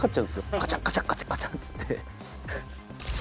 カチャカチャカチャっつって。